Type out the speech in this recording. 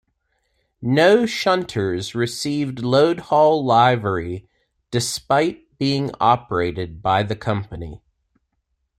No shunters received Loadhaul livery despite being operated by the company.